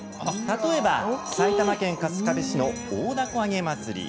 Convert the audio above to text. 例えば、埼玉県春日部市の大凧あげ祭り。